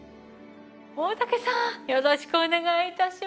大武さんよろしくお願い致します。